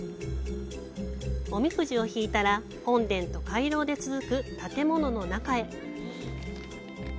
おみくじを引いたら、本殿と回廊で続く建物の中へ。